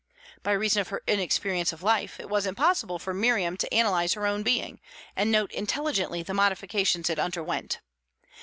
By reason of her inexperience of life, it was impossible for Miriam to analyze her own being, and note intelligently the modifications it underwent.